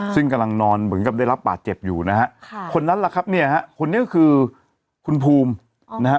ซึ่งกำลังนอนเหมือนกับได้รับบาดเจ็บอยู่นะฮะค่ะคนนั้นแหละครับเนี่ยฮะคนนี้ก็คือคุณภูมินะฮะ